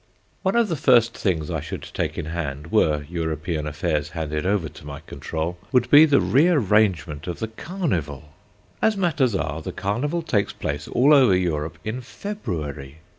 One of the first things I should take in hand, were European affairs handed over to my control, would be the rearrangement of the Carnival. As matters are, the Carnival takes place all over Europe in February.